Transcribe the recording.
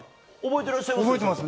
覚えてらっしゃいます？